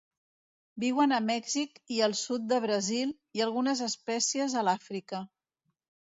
Viuen a Mèxic i al sud de Brasil, i algunes espècies a l'Àfrica.